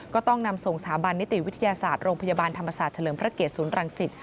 ก็ต้องนำส่งสถาบันนิติวิทยาศาสตร์โรงพยาบาลธรรมศาสตร์เฉลิมพระเกตศูนย์รังสิต